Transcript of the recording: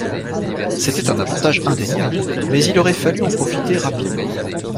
C’était un avantage indéniable, mais il aurait fallu en profiter rapidement.